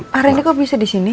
pak rendy kok bisa disini